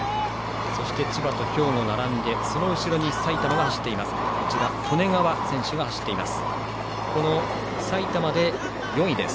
そして、千葉と兵庫が並んでその後ろに埼玉の利根川です。